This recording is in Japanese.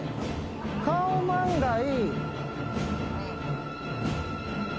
カオマンガイ。